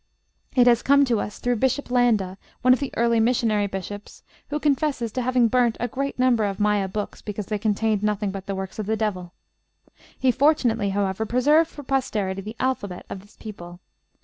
It has come to us through Bishop Landa, one of the early missionary bishops, who confesses to having burnt a great number of Maya books because they contained nothing but the works of the devil. He fortunately, however, preserved for posterity the alphabet of this people.